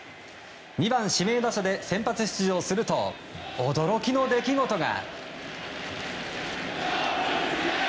２番指名打者で先発出場すると驚きの出来事が。